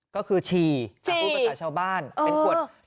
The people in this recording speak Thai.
ก็คือฉี่จะพูดภาษาชาวบ้านเป็นขวด